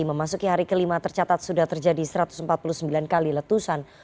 memasuki hari kelima tercatat sudah terjadi satu ratus empat puluh sembilan kali letusan